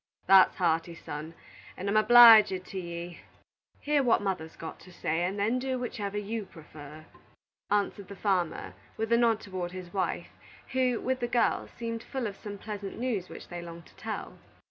"That's hearty, son, and I'm obleeged to ye. Hear what mother's got to say, and then do whichever you prefer," answered the farmer, with a nod toward his wife, who, with the girls, seemed full of some pleasant news which they longed to tell.